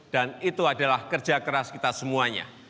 dan itu adalah kerja keras kita semuanya